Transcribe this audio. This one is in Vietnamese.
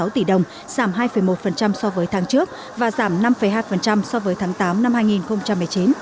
ba trăm linh năm hai trăm bốn mươi sáu tỷ đồng giảm hai một so với tháng trước và giảm năm hai so với tháng tám năm hai nghìn một mươi chín